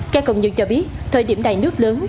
các công nhân cho biết thời điểm này nước lớn